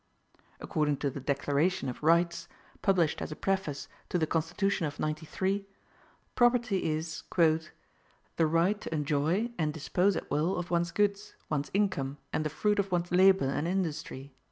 According to the Declaration of Rights, published as a preface to the Constitution of '93, property is "the right to enjoy and dispose at will of one's goods, one's income, and the fruit of one's labor and industry."